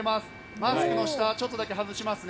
マスクの下ちょっとだけ外しますね。